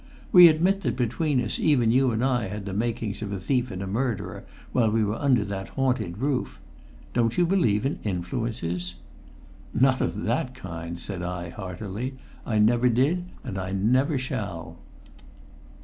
We admit that between us even you and I had the makings of a thief and a murderer while we were under that haunted roof. Don't you believe in influences?" "Not of that kind," said I heartily. "I never did, and I doubt I never shall."